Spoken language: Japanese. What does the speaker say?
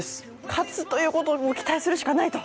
勝つということを期待するしかないと。